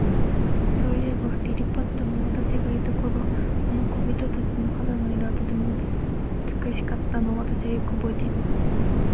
そういえば、リリパットに私がいた頃、あの小人たちの肌の色は、とても美しかったのを、私はよくおぼえています。